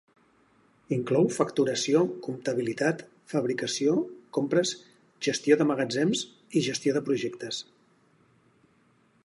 Inclou facturació, comptabilitat, fabricació, compres, gestió de magatzems i gestió de projectes.